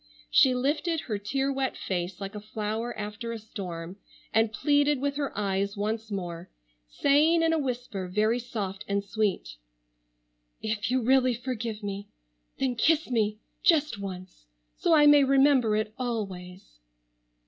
She lifted her tear wet face like a flower after a storm, and pleaded with her eyes once more, saying in a whisper very soft and sweet: "If you really forgive me, then kiss me, just once, so I may remember it always."